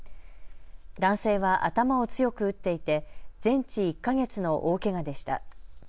男性は頭を強く打っていて全治１か月の大けがでした。